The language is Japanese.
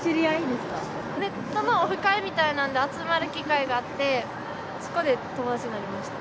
ネットのオフ会みたいなんで集まる機会があってそこで友達になりました。